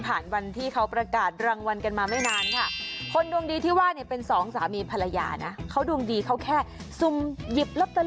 วันที่เขาประกาศรางวัลกันมาไม่นานค่ะคนดวงดีที่ว่าเนี่ยเป็นสองสามีภรรยานะเขาดวงดีเขาแค่ซุ่มหยิบลอตเตอรี่